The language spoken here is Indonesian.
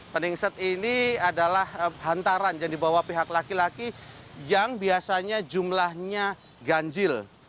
peningset ini adalah hantaran yang dibawa pihak laki laki yang biasanya jumlahnya ganjil